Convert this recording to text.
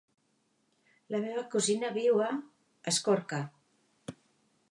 La meva cosina viu a Escorca.